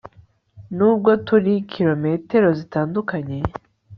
nubwo turi kilometero zitandukanye